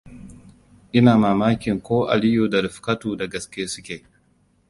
Ina mamakin ko Aliyu da Rifkatu da gaske su ke.